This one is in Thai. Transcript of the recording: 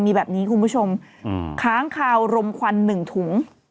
มีแบบนี้คุณผู้ชมขาขาวลมขวัญ๑ถุง